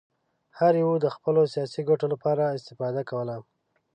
هر یوه د خپلو سیاسي ګټو لپاره استفاده کوله.